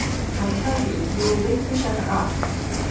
I tell you we will wake Pasheta* up